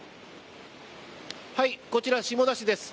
こちら、下田市です。